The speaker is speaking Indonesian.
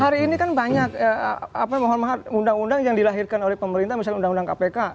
hari ini kan banyak mohon maaf undang undang yang dilahirkan oleh pemerintah misalnya undang undang kpk